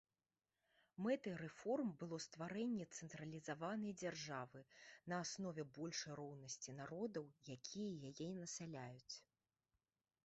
Мэтай рэформ было стварэнне цэнтралізаванай дзяржавы на аснове большай роўнасці народаў, якія яе насяляюць.